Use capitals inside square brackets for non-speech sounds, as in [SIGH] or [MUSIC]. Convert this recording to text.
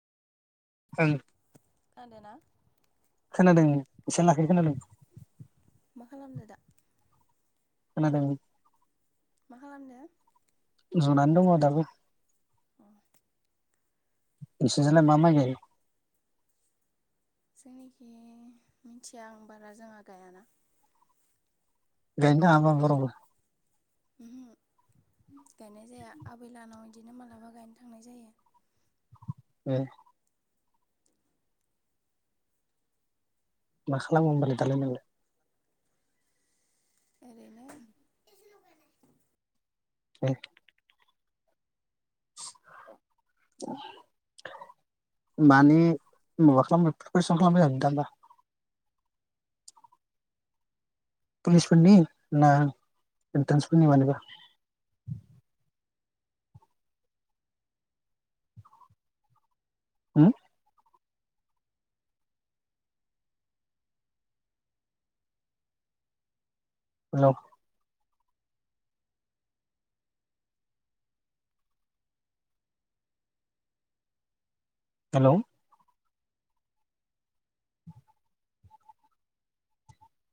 [INAUDIBLE] खोनादोना? खोनादों। एसेबां लाखै अह खोनादों मा खालामदों दा? खोनादों। मा खालामदो? जनानै दङ' दाबो। अह। नोंसिनिजायलाय मा माइ गायो? जोंनिखि मिथिया आं बारा जोंहा गायाना। गायनो थाङा होमबा बरावबो? गायनाय जाया आबैलानाव बिदिनो माब्लाबा गायनो थांनाय जायो। ए। मा खालामो होमबालाय दालाय नोंलाय? ओरैनो ए। ए माने माबा खालाम पिपारेसन खालामबाय थादों होनबा? पलिसफोरनि ना एनर्तेनस फोरनि मानिबा? हुम? Hello hello